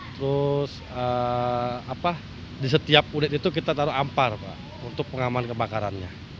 terus di setiap unit itu kita taruh ampar pak untuk pengaman kebakarannya